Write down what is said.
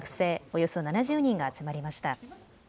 およそ７０人が集まりました。